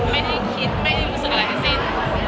ไม่ได้รู้สึกอะไรในสิ้น